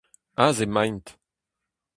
Aze emaint.